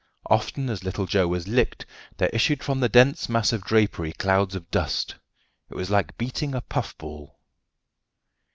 Often as little Joe was "licked" there issued from the dense mass of drapery clouds of dust. It was like beating a puff ball.